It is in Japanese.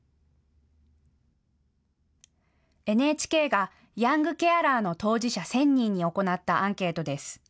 ＮＨＫがヤングケアラーの当事者１０００人に行ったアンケートです。